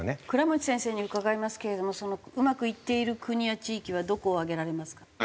倉持先生に伺いますけれどもうまくいっている国や地域はどこを挙げられますか？